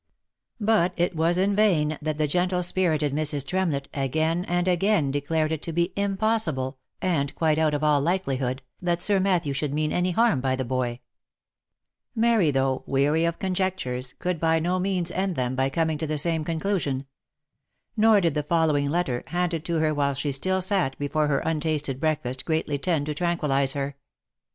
But it was in vain that the gentle spirited Mrs. Tremlett again and again declared it to be " impossible, and quite out of all likelihood, that Sir Matthew should mean any harm by the boy;" Mary, though "weary of conjectures," could by no means end them by coming to the same conclusion ; nor did the following letter, handed to her while she still sat before her untasted breakfast greatly tend to tranquillize her.